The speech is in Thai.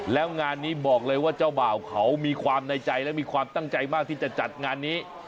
แล้วงานนี้บอกเลยว่าเจ้าบ่าวเขามีความในใจและมีความตั้งใจมากที่จะจัดงานนี้